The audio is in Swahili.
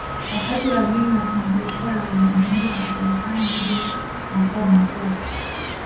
Wakati Waajemi wafanyabiashara walivigundua na kuvifanya ndiyo makao makuu